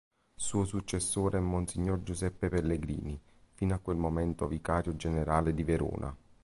Suo successore è mons. Giuseppe Pellegrini, fino a quel momento vicario generale di Verona.